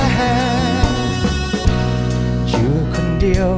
ไปชมกันได้เลย